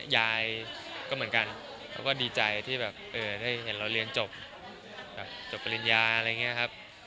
ยายก็เหมือนกันเขาก็ดีใจที่แบบได้เห็นเราเรียนจบแบบจบปริญญาอะไรอย่างนี้ครับ